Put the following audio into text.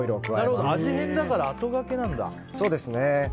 なるほど、味変だからあとがけなんだ。